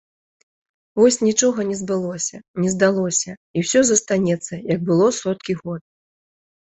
Вось нічога не збылося, не здалося, і ўсё застанецца, як было соткі год.